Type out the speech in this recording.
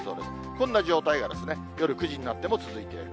こんな状態が、夜９時になっても、続いている。